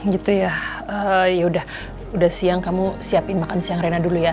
gitu ya yaudah siang kamu siapin makan siang rena dulu ya